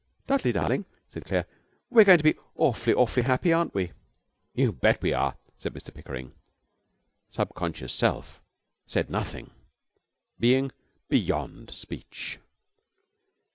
'Dudley, darling,' said Claire, 'we're going to be awfully, awfully happy, aren't we?' 'You bet we are!' said Mr Pickering. Subconscious Self said nothing, being beyond speech.